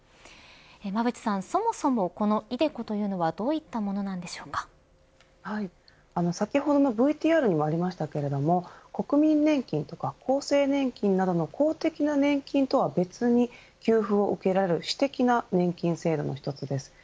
馬渕さん、そもそもこのｉＤｅＣｏというのは先ほどのＶＴＲにもありましたけれども国民年金とか厚生年金などの公的な年金とは別に給付を受けられる私的な年金制度の１つです。